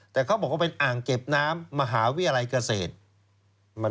แต่เขาบอกว่าเป็นอ่างเก็บน้ำมหาวิทยาลัยเกษตร